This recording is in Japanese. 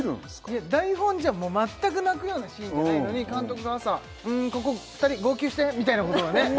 いや台本じゃもう全く泣くようなシーンじゃないのに監督が朝「うんここ２人号泣して」みたいなことをね